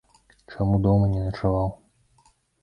Чаму дома не начаваў?